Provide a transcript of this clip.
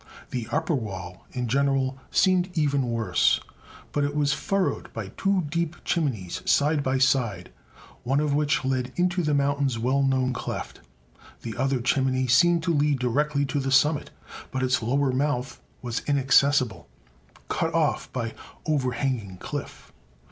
The upper wall in general seemed even worse, but it was furrowed by two deep chimneys, side by side, one of which led into the mountain's well known cleft. The other chimney seemed to lead directly to the summit, but its lower mouth was inaccessible cut off by overhanging cliff.